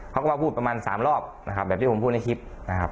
เขาก็มาพูดประมาณ๓รอบนะครับแบบที่ผมพูดในคลิปนะครับ